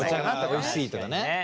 お茶がおいしいとかね。